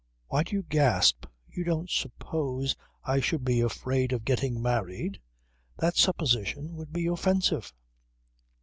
Why do you gasp? You don't suppose I should be afraid of getting married? That supposition would be offensive